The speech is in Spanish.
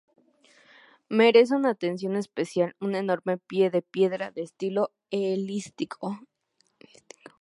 Merece una atención especial un enorme pie de piedra de estilo helenístico.